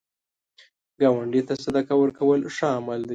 ګاونډي ته صدقه ورکول ښه عمل دی